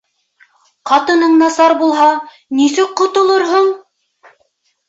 Ҡатының насар булһа, нисек ҡотолорһоң?